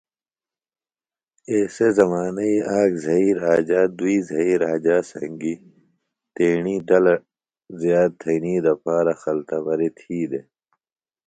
ایسےۡ زمانئی ایک زھئی راجا دُئی زھئی راجا سنگیۡ تیݨی ڈلہ زیات تھئنی دپارہ خلتبریۡ تھی دےۡ